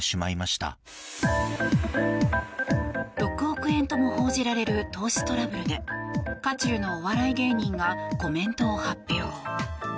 ６億円とも報じられる投資トラブルで渦中のお笑い芸人がコメントを発表。